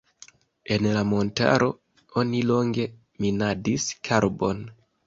En la montaro oni longe minadis karbon.